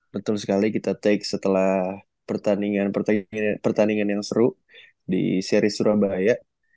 betul sekali kita take setelah pertandingan pertandingan yang seru di seri surabaya